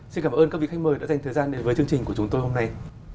xin cảm ơn các vị khách mời đã dành thời gian đến với chương trình của chúng tôi hôm nay